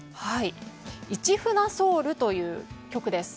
「市船ｓｏｕｌ」という曲です。